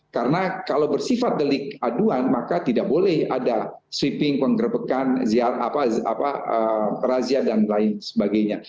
karena kalau bersifat delik aduan maka tidak boleh ada sweeping penggerbekan razia dan lain sebagainya